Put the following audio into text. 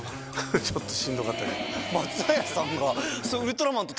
ちょっとしんどかったけど。